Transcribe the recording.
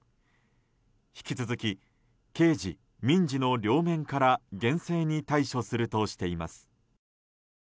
引き続き刑事・民事の両面から厳正に対処するとしています。